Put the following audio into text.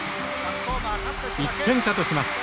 １点差とします。